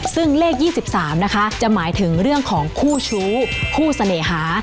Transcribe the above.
ซึ่งเลข๒๓นะคะจะหมายถึงเรื่องของคู่ชู้คู่เสน่หา